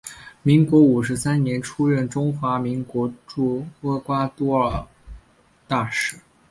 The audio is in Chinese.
民国五十三年出任中华民国驻厄瓜多尔大使。